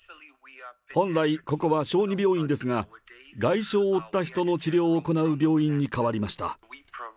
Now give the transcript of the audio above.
本来、ここは小児病院ですが、外傷を負った人の治療を行う病院に変わりました。